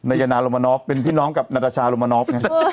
ยานาโรมานอฟเป็นพี่น้องกับนาตาชาโรมานอฟไง